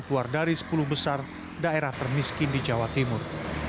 keluar dari sepuluh besar daerah termiskin di jawa timur